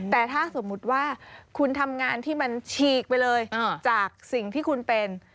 แต่ถ้าสมมุติว่าคุณทำงานที่มันฉีกไปเลยจากสิ่งที่คุณเป็น